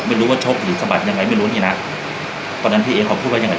ไม่รู้ว่าชกหรือสะบัดยังไงไม่รู้นี่นะตอนนั้นพี่เอ๊เขาพูดว่ายังไง